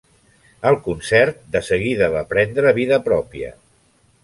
El concert de seguida va prendre vida pròpia.